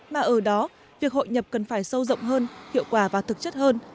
mà ở đó việc hội nhập cần phải sâu rộng hơn hiệu quả và thực chất hơn